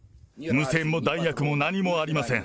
無線も弾薬も何もありません。